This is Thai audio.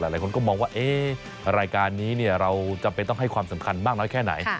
หลายคนก็มองว่ารายการนี้เราจำเป็นต้องให้ความสำคัญมากน้อยแค่ไหน